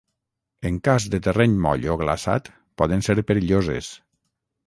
En cas de terreny moll o glaçat poden ser perilloses.